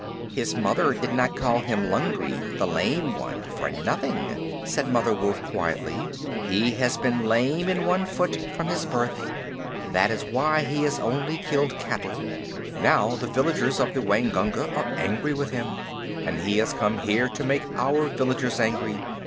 "His mother did not call him Lungri [the Lame One] for nothing," said Mother Wolf quietly. "He has been lame in one foot from his birth. That is why he has only killed cattle. Now the villagers of the Waingunga are angry with him, and he has come here to make our villagers angry.